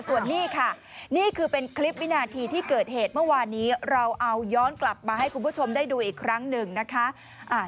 ส่วนนี้ค่ะนี่คือเป็นคลิปวินาทีที่เกิดเหตุเมื่อวานนี้เราเอาย้อนกลับมาให้คุณผู้ชมได้ดูอีกครั้งหนึ่งนะคะ